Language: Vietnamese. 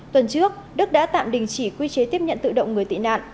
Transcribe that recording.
tuần trước đức đã tạm đình chỉ quy chế tiếp nhận tự động người tị nạn